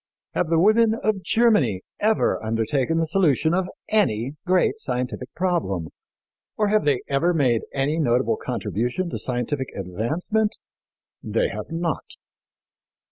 Have the women of Germany ever undertaken the solution of any great scientific problem, or have they ever made any notable contribution to scientific advancement? They have not."